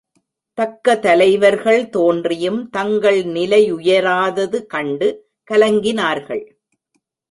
தக்க தலைவர்கள் தோன்றியும் தங்கள் நிலையுயராதது கண்டு கலங்கினார்கள்.